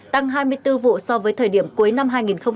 tăng hai mươi bốn vụ so với thời điểm cuối năm hai nghìn một mươi chín